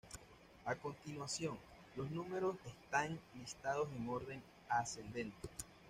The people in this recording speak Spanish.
A continuación los números están listados en orden ascendente.